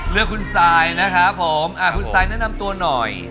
เลือกคุณซายนะครับผมคุณซายแนะนำตัวหน่อย